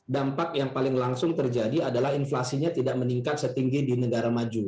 dampak yang paling langsung terjadi adalah inflasinya tidak meningkat setinggi di negara maju